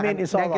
amin insya allah